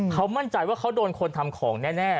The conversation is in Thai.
เขามั่นใจว่าเขาโดนคนทำของแน่